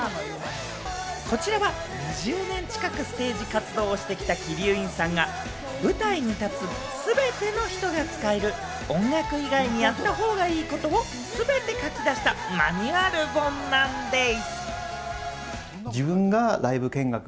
こちらは２０年近くステージ活動をしてきた鬼龍院さんが舞台に立つすべての人が使える音楽以外にやったほうがいいことをすべて書き出した、マニュアル本なんでぃす！